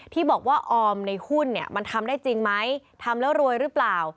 ที่บอกว่าออมในหุ้นเนี่ยมันทำได้จริงไหมทำแล้วรวยหรือเปล่า